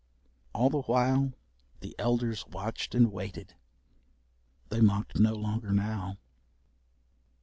All the while, the elders watched and waited. They mocked no longer now.